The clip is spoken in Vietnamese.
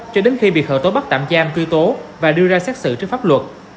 cho đến khi bị khẩu tố bắt tạm giam cư tố và đưa ra xét xử trước pháp luật